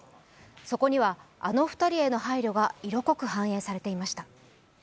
そこにはあの２人への配慮が色濃く反映されていました。